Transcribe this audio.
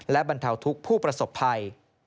และบรรเทาทุกข์ผู้ประสบภัย